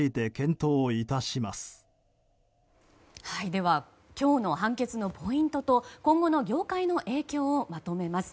では今日の判決のポイントと今後の業界の影響をまとめます。